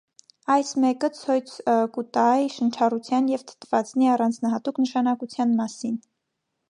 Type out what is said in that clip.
Այս մէկը ցոյց կու տայ շնչառութեան եւ թթուածինի առանձնայատուկ նշանակութեան մասին։